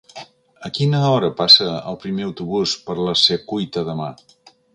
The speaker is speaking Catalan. A quina hora passa el primer autobús per la Secuita demà?